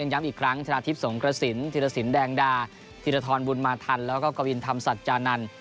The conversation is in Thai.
ย้ำอีกครั้งนาธิบสงกระสิลใชีลภีร์สินแดงดาหรือซินตะทอะถอนบุญมาธรรแล้วก็กระวินทัมชาติจานู่น